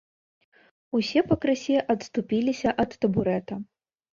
Усе пакрысе адступаліся ад табурэта.